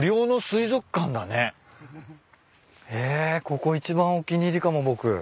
ここ一番お気に入りかも僕。